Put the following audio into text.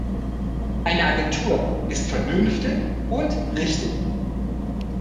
Eine Agentur ist vernünftig und richtig.